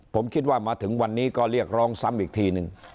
ผมคิดว่ามาถึงวันนี้ก็เรียกร้องซ้ำอีกทีหนึ่ง